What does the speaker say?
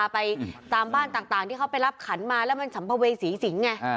ไปตามบ้านต่างที่เขาไปรับขันมาแล้วมันสัมภเวษีสิงไง